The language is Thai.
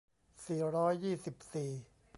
สี่ร้อยยี่สิบสี่